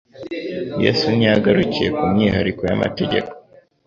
Yesu ntiyagarukiye ku myihariko y'amategeko,